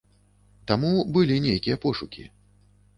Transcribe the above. Таму былі нейкія пошукі.